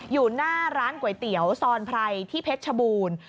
อยู่หน้าร้านก๋วยเตี๋ยวซอยไพรที่เพชรชบูรณ์